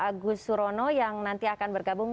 agus surono yang nanti akan bergabung